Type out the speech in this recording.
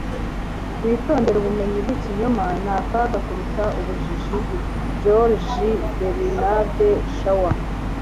witondere ubumenyi bw'ikinyoma; ni akaga kuruta ubujiji. - george bernard shaw